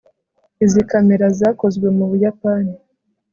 izi kamera zakozwe mu buyapani